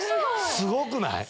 すごくない？